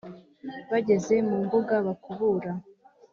bageze mu mbuga bakubura